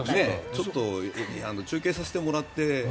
ちょっと中継させてもらって。